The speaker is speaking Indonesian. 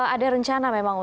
ada rencana memang